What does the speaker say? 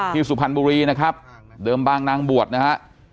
สุพรรณบุรีนะครับเดิมบางนางบวชนะฮะ